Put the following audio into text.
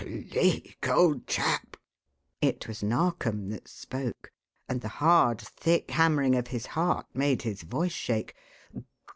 "Cleek, old chap!" It was Narkom that spoke, and the hard, thick hammering of his heart made his voice shake.